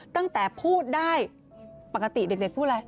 ตั้งแต่พูดได้ปกติเด็กพูดอะไร